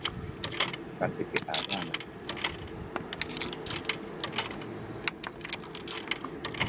E Nakaseke abaana kakaaga baafuna embuto omwaka ogwaggwa.